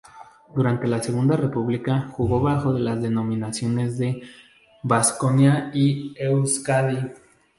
Durante la Segunda República jugó bajo las denominaciones de Vasconia y Euzkadi.